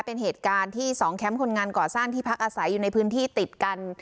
เป็นเหตุการณ์ที่๒แคมป์คนงานก่อสร้างที่พักอาศัยอยู่ในพื้นที่ติดกัน